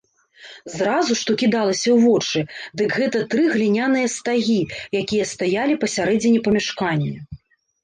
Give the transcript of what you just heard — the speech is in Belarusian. Зразу, што кідалася ў вочы, дык гэта тры гліняныя стагі, якія стаялі пасярэдзіне памяшкання.